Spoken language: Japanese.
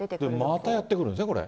またやって来るんですね、これ。